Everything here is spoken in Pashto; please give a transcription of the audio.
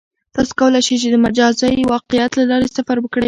تاسو کولای شئ چې د مجازی واقعیت له لارې سفر وکړئ.